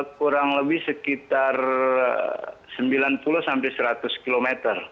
kurang lebih sekitar sembilan puluh sampai seratus km